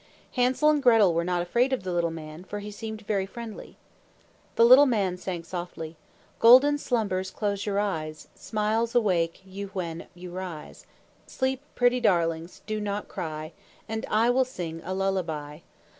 Hansel and Gretel were not afraid of the little man, for he seemed very friendly. The little man sang softly, "Golden slumbers close your eyes, Smiles awake you when you rise. Sleep, pretty darlings, do not cry, And I will sing a lullaby.